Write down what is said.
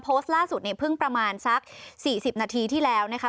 โพสต์ล่าสุดเนี่ยเพิ่งประมาณสัก๔๐นาทีที่แล้วนะคะ